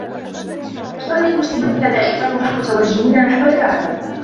يصّلي المسلمون دائما و هم متوجّهون نحو الكعبة.